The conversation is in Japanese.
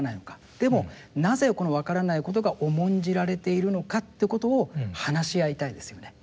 でもなぜこのわからないことが重んじられているのかっていうことを話し合いたいですよね。